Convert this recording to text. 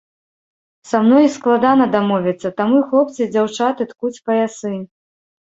Са мной складана дамовіцца, таму і хлопцы і дзяўчаты ткуць паясы.